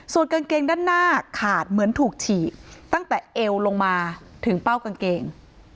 ส่วนกางเกงด้านหน้าขาดเหมือนถูกฉีกตั้งแต่เอวลงมาถึงเป้ากางเกง